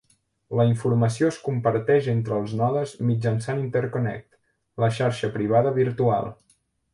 La informació es comparteix entre els nodes mitjançant Interconnect, la xarxa privada virtual.